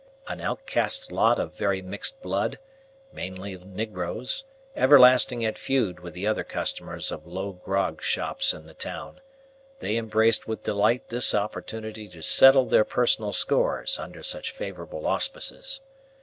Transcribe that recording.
An outcast lot of very mixed blood, mainly negroes, everlastingly at feud with the other customers of low grog shops in the town, they embraced with delight this opportunity to settle their personal scores under such favourable auspices.